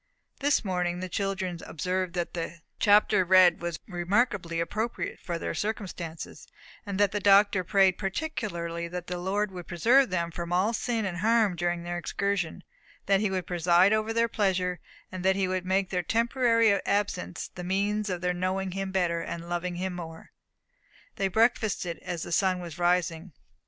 This morning the children observed that the chapter read was remarkably appropriate to their circumstances, and that the Doctor prayed particularly that the Lord would preserve them from all sin and harm during their excursion; that he would preside over their pleasures, and that he would make their temporary absence the means of their knowing him better, and loving him more. They breakfasted as the sun was rising.